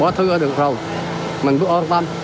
rồi hơi trồng dò môn bữa ngộng suốt đêm